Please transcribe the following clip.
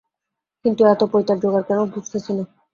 কিন্তু এত পৈতার যোগাড় কেন, বুঝিতেছি না।